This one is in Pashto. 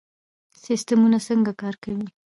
سیستمونه څنګه کار کوي؟